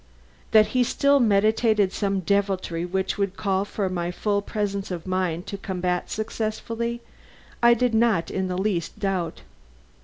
That he still meditated some deviltry which would call for my full presence of mind to combat successfully, I did not in the least doubt.